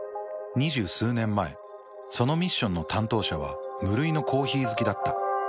２０数年前そのミッションの担当者は無類のコーヒー好きだった。